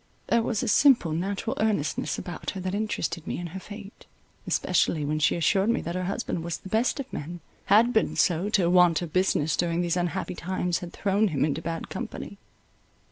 There was a simple, natural earnestness about her that interested me in her fate, especially when she assured me that her husband was the best of men,—had been so, till want of business during these unhappy times had thrown him into bad company.